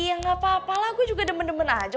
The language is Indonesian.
ya gak apa apalah gue juga demen demen aja